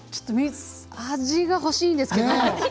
味が欲しいですけど。